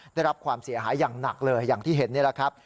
ได้รับความเสียหายอย่างหนักเลยอย่างที่เห็นนี่แหละครับ